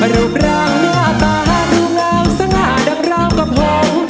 รูปร่างหน้าตารูปงามสง่าดำราวกับห่อง